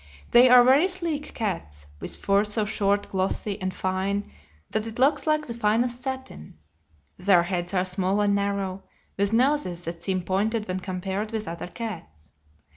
They are very sleek cats, with fur so short, glossy, and fine that it looks like the finest satin. Their heads are small and narrow, with noses that seem pointed when compared with other cats.